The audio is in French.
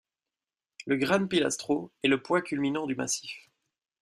Le Gran Pilastro est le point culminant du massif.